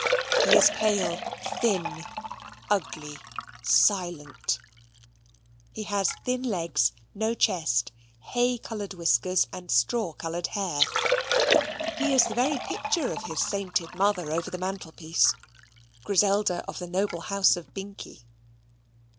He is pale, thin, ugly, silent; he has thin legs, no chest, hay coloured whiskers, and straw coloured hair. He is the very picture of his sainted mother over the mantelpiece Griselda of the noble house of Binkie.